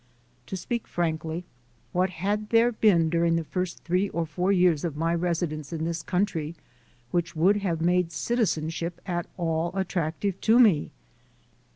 To speak frankly, what had there been during the first three or four years of my residence in this country which would have made citizenship I BECOME NATURALIZED 195 at all attractive to me?